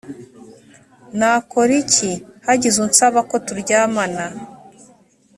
nakora iki hagize unsaba ko turyamana